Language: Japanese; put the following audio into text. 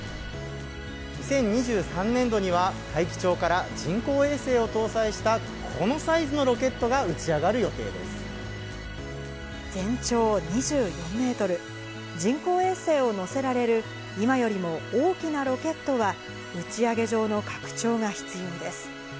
２０２３年度には、大樹町から人工衛星を搭載したこのサイズのロケットが打ち上がる全長２４メートル、人工衛星を載せられる、今よりも大きなロケットは打ち上げ場の拡張が必要です。